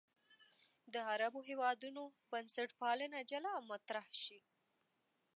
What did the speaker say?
د عربي هېوادونو بنسټپالنه جلا مطرح شي.